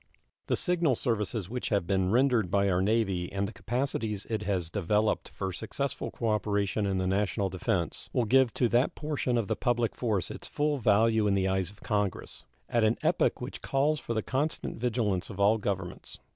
The signal services which have been rendered by our Navy and the capacities it has developed for successful cooperation in the national defense will give to that portion of the public force its full value in the eyes of Congress, at an epoch which calls for the constant vigilance of all governments.